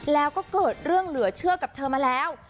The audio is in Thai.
แล้วก็เกิดเรื่องเหลือเชื่อกับเธอมาแล้ว